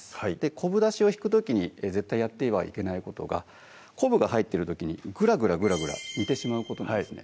昆布だしを引く時に絶対やってはいけないことが昆布が入ってるときにグラグラグラグラ煮てしまうことなんですね